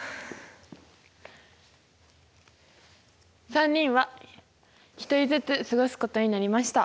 ３人は１人ずつ過ごすことになりました。